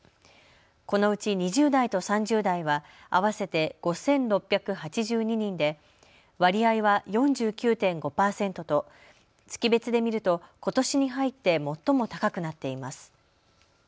このうち２０代と３０代は合わせて５６８２人で割合は４９．５％と月別で見ると、ことしに入って最も高くなっています。